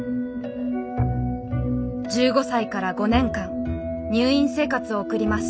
１５歳から５年間入院生活を送ります。